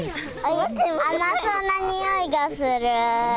甘そうな匂いがする。